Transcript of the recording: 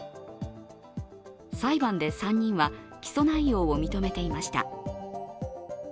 裁判で３人は、起訴内容を認めていました。